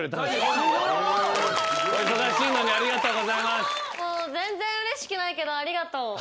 お忙しいのにありがとうございます。